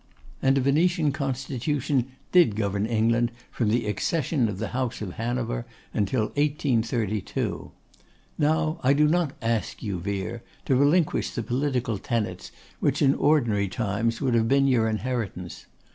And a Venetian constitution did govern England from the accession of the House of Hanover until 1832. Now I do not ask you, Vere, to relinquish the political tenets which in ordinary times would have been your inheritance.